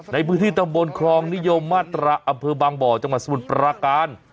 ในพื้นที่ตำบลครองนิยมมาตราอำเภอบางบ่อจังหวัดสมุทรปราการ